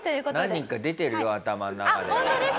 何人か出てるよ頭の中に。